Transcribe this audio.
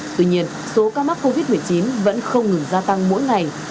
tuy nhiên số ca mắc covid một mươi chín vẫn không ngừng gia tăng mỗi ngày